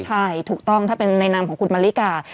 ใช่ถูกต้องถ้าเป็นในนามของคุณมะลิกา